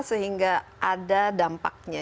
sehingga ada dampaknya